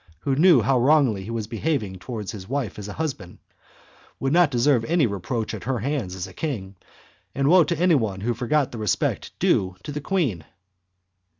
who knew how wrongly he was behaving towards his wife as a husband, would not deserve any reproach at her hands as a king, and woe to anyone who forgot the respect due to the queen!